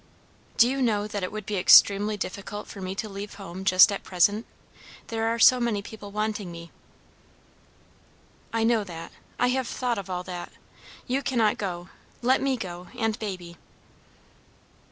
"Do you know that it would be extremely difficult for me to leave home just at present? There are so many people wanting me." "I know that. I have thought of all that. You cannot go. Let me go, and baby."